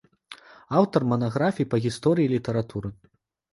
Аўтар манаграфій па гісторыі літаратуры.